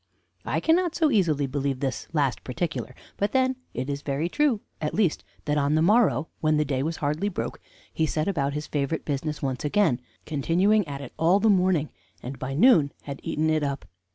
I cannot so easily believe this last particular; but, then, it is very true, at least, that on the morrow, when the day was hardly broke, he set about his favorite business once again, continuing at it all the morning, and by noon had eaten it up.